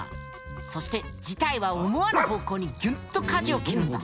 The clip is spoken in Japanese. そして事態は思わぬ方向にギュンと舵を切るんだ。